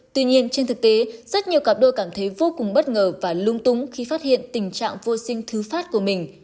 tuy nhiên trên thực tế rất nhiều cặp đôi cảm thấy vô cùng bất ngờ và lung tung khi phát hiện tình trạng vô sinh thứ phát của mình